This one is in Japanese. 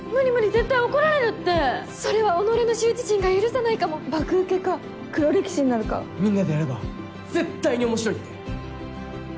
絶対怒られるってそれは己の羞恥心が許さないかも爆ウケか黒歴史になるかみんなでやれば絶対に面白いって！